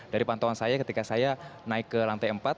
dari pantauan saya ketika saya naik ke lantai empat